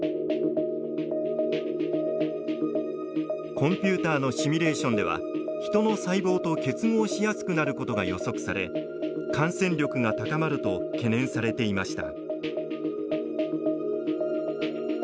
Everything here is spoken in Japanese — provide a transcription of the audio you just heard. コンピューターのシミュレーションでは人の細胞と結合しやすくなることが予測され感染力が高まると懸念されていました。